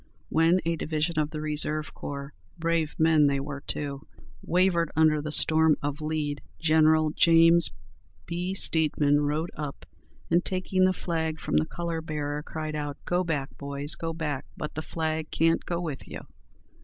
When a division of the Reserve Corps brave men they were, too wavered under the storm of lead, General James B. Steedman rode up, and taking the flag from the color bearer, cried out, "Go back, boys, go back, but the Flag can't go with you!"